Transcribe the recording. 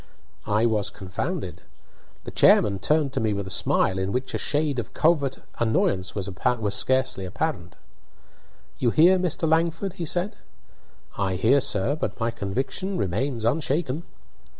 I was confounded. The chairman turned to me with a smile, in which a shade of covert annoyance was scarcely apparent. "You hear, Mr. Langford?" he said. "I hear, sir; but my conviction remains unshaken."